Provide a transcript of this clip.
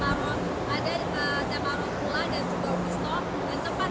pada tanggal ini jemaah akan melakukan perjalanan dengan berjalan kaki kurang lebih dua km